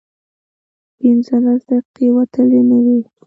پينځلس دقيقې وتلې نه وې.